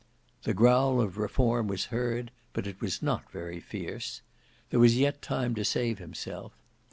The growl of reform was heard but it was not very fierce. There was yet time to save himself.